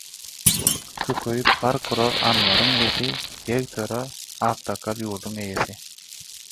Kükeýip bark urar anbaryň ysy, Beg, töre, aksakal ýurduň eýesi,